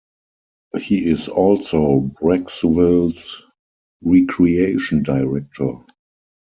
He is also Brecksville's Recreation Director.